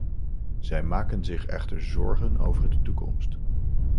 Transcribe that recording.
Zij maken zich echter zorgen over de toekomst.